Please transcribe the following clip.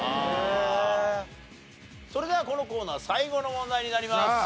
それではこのコーナー最後の問題になります。